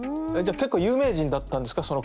じゃ結構有名人だったんですか？